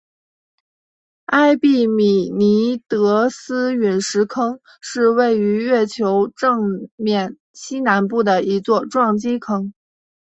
埃庇米尼得斯陨石坑是位于月球正面西南部的一座撞击坑。